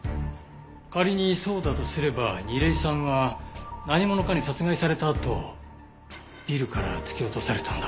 仮にそうだとすれば楡井さんは何者かに殺害されたあとビルから突き落とされたんだ。